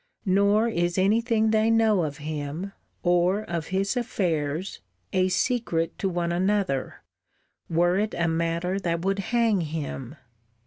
Nor is any thing they know of him, or of his affairs, a secret to one another, were it a matter that would hang him.